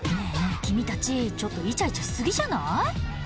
君たちちょっとイチャイチャし過ぎじゃない？